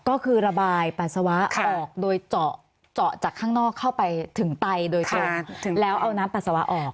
ก็คือระบายปัสสาวะออกโดยเจาะเจาะจากข้างนอกเข้าไปถึงไตโดยตรงแล้วเอาน้ำปัสสาวะออก